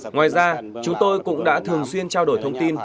ngoài ra chúng tôi cũng đã thường xuyên trao đổi thông tin